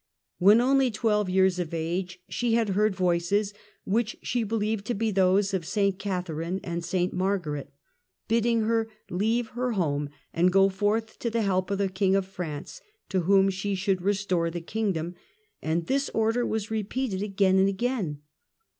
When only twelve years of age she had heard " voices," which she believed to be those of St. Catherine and St. Margaret, bidding her leave her home and go forth to the help of the King of France to whom she should restore the Kingdom ; and this order was repeated again and again.